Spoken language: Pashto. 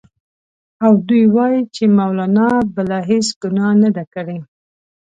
او دوی وايي چې مولنا بله هېڅ ګناه نه ده کړې.